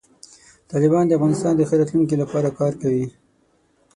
طالبان د افغانستان د ښه راتلونکي لپاره کار کوي.